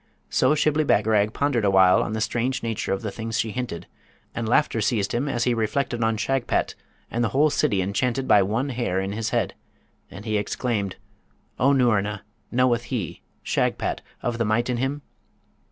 So Shibli Bagarag pondered awhile on the strange nature of the things she hinted, and laughter seized him as he reflected on Shagpat, and the whole city enchanted by one hair in his head; and he exclaimed, 'O Noorna, knoweth he, Shagpat, of the might in him?'